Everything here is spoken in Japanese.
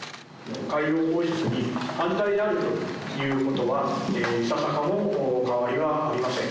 海洋放出に反対であるということは、いささかも変わりはありません。